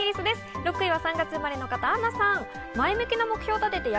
６位は３月生まれの方、アンナさんです。